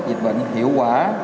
kiểm soát dịch bệnh hiệu quả